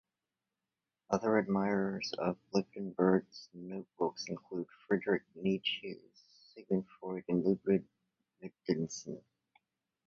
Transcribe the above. Other admirers of Lichtenberg's notebooks include Friedrich Nietzsche, Sigmund Freud and Ludwig Wittgenstein.